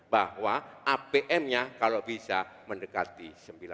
bahwa apmnya kalau bisa mendekati sembilan puluh